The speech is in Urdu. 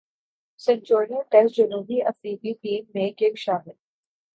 سنچورین ٹیسٹ جنوبی افریقی ٹیم میں کک شامل